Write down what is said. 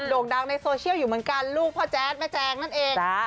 โด่งดังในโซเชียลอยู่เหมือนกันลูกพ่อแจ๊ดแม่แจงนั่นเอง